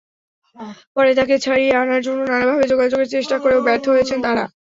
পরে তাঁকে ছাড়িয়ে আনার জন্য নানাভাবে যোগাযোগের চেষ্টা করেও ব্যর্থ হয়েছেন তাঁরা।